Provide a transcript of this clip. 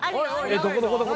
どこどこどこ？